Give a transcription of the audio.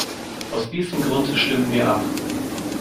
Aus diesem Grund stimmen wir ab.